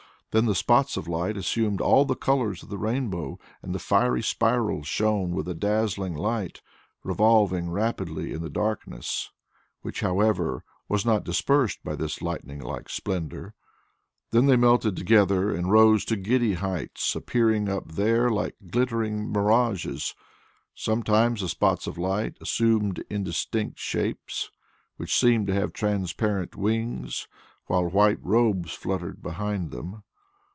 Then the spots of light assumed all the colours of the rainbow and the fiery spirals shone with a dazzling light, revolving rapidly in the darkness, which, however, was not dispersed by this lightning like splendour. Then they melted together and rose to giddy heights, appearing up there like glittering mirages. Sometimes the spots of light assumed indistinct shapes which seemed to have transparent wings, while white robes fluttered behind them.